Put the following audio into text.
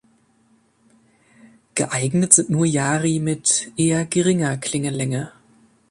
Geeignet sind nur Yari mit eher geringer Klingenlänge.